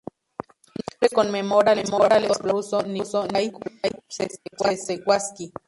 Su nombre conmemora al explorador ruso Nikolái Przewalski.